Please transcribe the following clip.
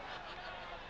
ada satu lagi